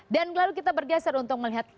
dan lalu kita bergeser untuk melihat